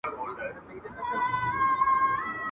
خدایه په زړه کي مي دا یو ارمان راپاته مه کې !.